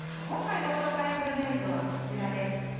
今回ご紹介する名著はこちらです。